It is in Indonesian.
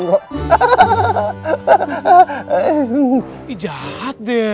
ini jahat deh